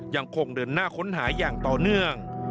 ยังคงเดินหน้าค้นหาอย่างต่อเนื่อง